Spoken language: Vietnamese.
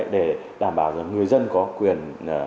để đảm bảo là người dân có quyền